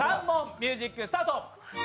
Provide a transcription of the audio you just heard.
ミュージックスタート。